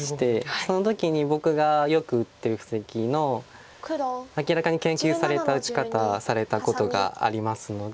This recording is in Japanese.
その時に僕がよく打ってる布石の明らかに研究された打ち方されたことがありますので。